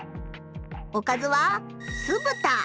おかずは酢豚。